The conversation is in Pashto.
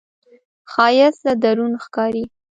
ښایست له درون ښکاري